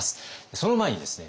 その前にですね